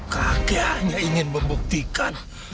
kakek hanya ingin membuktikan